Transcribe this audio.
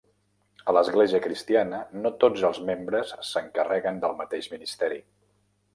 A l'Església Cristiana no tots els membres s'encarreguen del mateix ministeri.